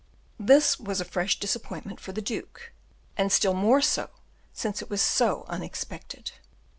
This was a fresh disappointment for the duke, and, still more so, since it was so unexpected.